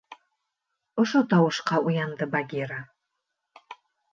Ошо тауышҡа уянды Багира.